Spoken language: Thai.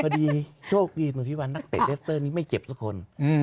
พอดีโชคดีเหมือนที่ว่านักเตะเลสเตอร์นี้ไม่เจ็บสักคน